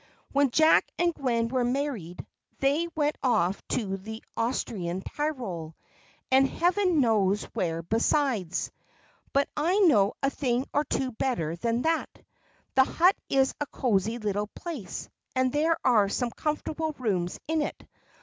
"When Jack and Gwen were married, they went off to the Austrian Tyrol, and Heaven knows where besides. But I know a thing or two better than that. The Hut is a cosy little place, and there are some comfortable rooms in it.